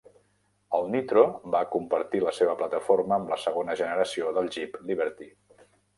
El Nitro va compartir la seva plataforma amb la segona generació del Jeep Liberty.